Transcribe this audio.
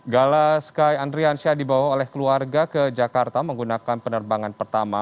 gala sky andriansyah dibawa oleh keluarga ke jakarta menggunakan penerbangan pertama